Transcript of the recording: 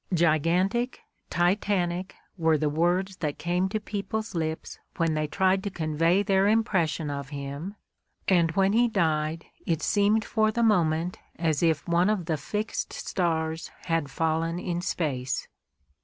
Gigantic, titanic were the words that came to people's lips when they tried to convey their impres Mark Twain's Despair 17 sion of him, and when he died it seemed for the moment as if one of the fixed stars had fallen in space.